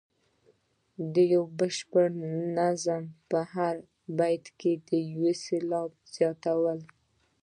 د یو بشپړ نظم په هر بیت کې د یو سېلاب زیاتوالی.